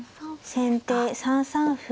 先手３三歩。